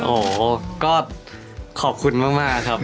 โอ้โหก็ขอบคุณมากครับ